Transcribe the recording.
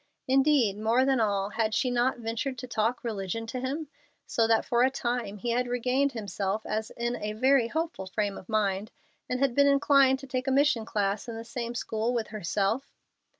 Indeed, more than all, had she not ventured to talk religion to him, so that for a time he had regarded himself as in a very "hopeful frame of mind," and had been inclined to take a mission class in the same school with herself?